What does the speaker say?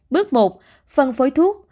bước một phân phối thuốc